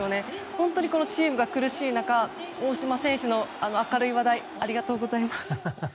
本当にチームが苦しい中大島選手、明るい話題をありがとうございます。